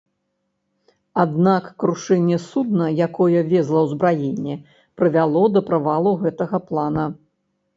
Аднак крушэнне судна, якое везла ўзбраенне, прывяло да правалу гэтага плана.